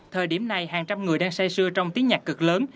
thời điểm này hàng trăm người đang say sưa trong tiếng nhạc cực lớn